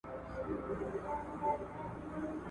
او پر ځای د چڼچڼیو توتکیو ..